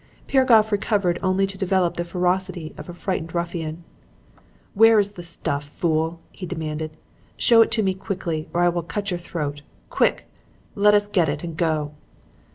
"Piragoff recovered only to develop the ferocity of a frightened ruffian. "'Where is the stuff, fool?' he demanded. 'Show it to me quickly or I will cut your throat. Quick! Let us get it and go.'